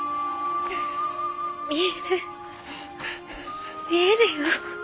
見える見えるよ。